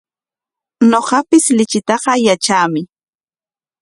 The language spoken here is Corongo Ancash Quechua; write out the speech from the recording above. Ñuqapis lichitaqa yatraami.